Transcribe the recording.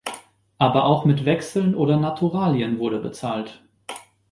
Aber auch mit Wechseln oder Naturalien wurde bezahlt.